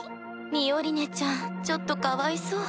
ミオリネちゃんちょっとかわいそう。